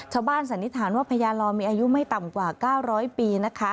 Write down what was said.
สันนิษฐานว่าพญาลอมีอายุไม่ต่ำกว่า๙๐๐ปีนะคะ